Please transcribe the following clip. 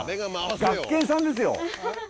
学研さんですよ。